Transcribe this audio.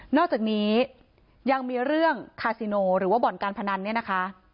อกจากนี้ยังมีเรื่องคาซิโนหรือว่าบ่อนการพนันเนี่ยนะคะ